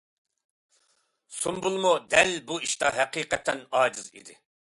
سۇمبۇلمۇ دەل بۇ ئىشتا ھەقىقەتەن ئاجىز ئىدى.